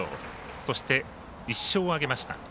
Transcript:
そして、１勝を挙げました。